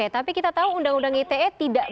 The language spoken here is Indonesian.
tapi kita tahu undang undang ite tidak